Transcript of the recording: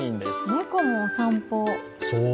猫もお散歩。